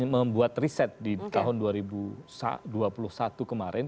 membuat riset di tahun dua ribu dua puluh satu kemarin